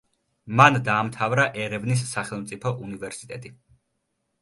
მან დაამთავრა ერევნის სახელმწიფო უნივერსიტეტი.